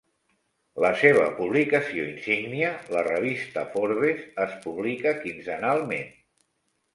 La seva publicació insígnia, la revista "Forbes", és publica quinzenalment.